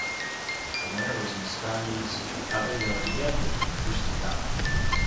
The winner was Mascagni's "Cavalleria rusticana".